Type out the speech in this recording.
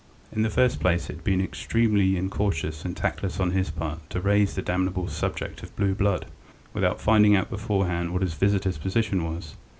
In the first place it had been extremely incautious and tactless on his part to raise the damnable subject of blue blood, without finding out beforehand what his visitor's position was.